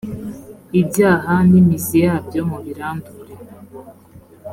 ibyaha nimiziyabyo mubirandure.